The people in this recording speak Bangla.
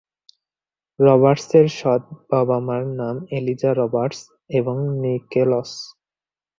রবার্টসের সৎ বাবা-মার নাম এলিজা রবার্টস এবং নিকেলস।